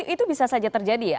itu bisa saja terjadi ya